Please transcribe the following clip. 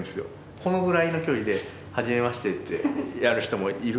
このぐらいの距離ではじめましてってやる人もいる。